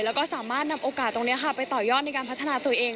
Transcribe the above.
แล้วก็สามารถนำโอกาสตรงนี้ค่ะไปต่อยอดในการพัฒนาตัวเอง